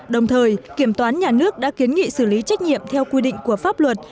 đồng thời kiểm toán nhà nước đã kiến nghị xử lý trách nhiệm theo quy định của pháp luật